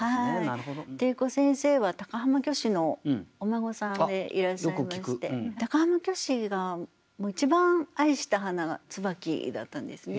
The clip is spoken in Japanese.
汀子先生は高浜虚子のお孫さんでいらっしゃいまして高浜虚子が一番愛した花が椿だったんですね。